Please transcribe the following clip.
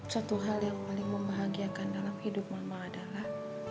satu hal yang paling membahagiakan dalam hidup mama adalah